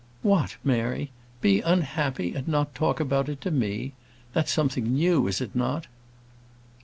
"What Mary! Be unhappy and not to talk about it to me? That's something new, is it not?"